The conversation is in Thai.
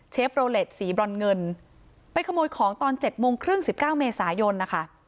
โรเล็ตสีบรอนเงินไปขโมยของตอน๗โมงครึ่ง๑๙เมษายนนะคะ